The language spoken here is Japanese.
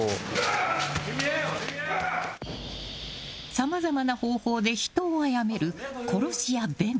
さまざまな方法で人を殺める殺し屋、ベン。